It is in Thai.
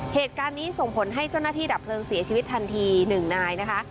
เหตุการณ์นี้ส่งผลให้เจ้าหน้าที่ดับเพลิงเสียชีวิตทันที๑นายนะคะ